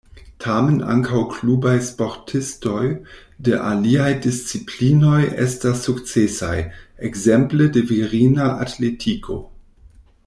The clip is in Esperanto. Tamen ankaŭ klubaj sportistoj de aliaj disciplinoj estas sukcesaj, ekzemple de virina atletiko.